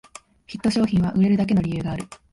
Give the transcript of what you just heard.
ヒット商品は売れるだけの理由がある